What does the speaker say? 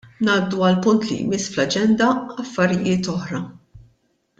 Ngħaddu għall-punt li jmiss fl-Aġenda ' Affarijiet oħra'.